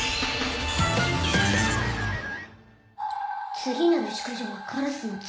「次なる淑女はカラスの翼」